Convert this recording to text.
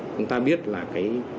chúng ta biết là cái